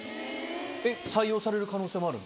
採用される可能性もある？